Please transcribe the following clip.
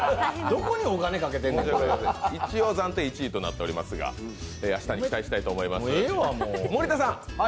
どこにお金かけてんねん。一応暫定１位となっていますが、明日に期待したいと思います。